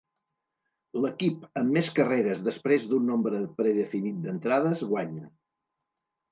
L'equip amb més carreres després d'un nombre predefinit d'entrades guanya.